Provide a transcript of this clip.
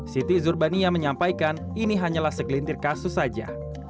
siti zurbania menyampaikan ini hanyalah segelintir kasus saja